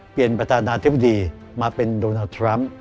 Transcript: เปลี่ยนประตานาธิบดีมาเป็นโดนัททรัมป์